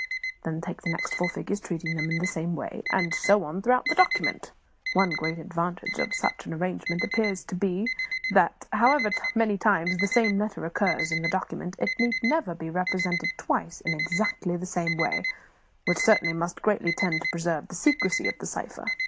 Then take the next four figures, treating them in the same way, and so on throughout the document. One great advantage of such an arrangement appears to me to be that, however many times the same letter occurs in a document, it need never be represented twice in exactly the same way, which certainly must greatly tend to preserve the secrecy of the cipher.